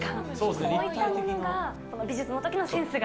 こういったものが美術のときのセンスが。